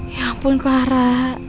ya ampun clara